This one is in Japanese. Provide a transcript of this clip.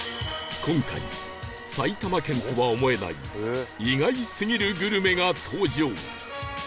今回埼玉県とは思えない意外すぎるグルメが登場